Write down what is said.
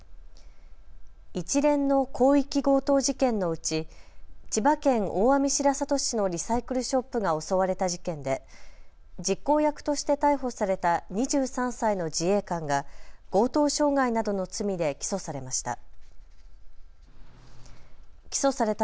一連の広域強盗事件のうち千葉県大網白里市のリサイクルショップが襲われた事件で実行役として逮捕された２３歳の自衛官が強盗傷害などの罪で起訴されました。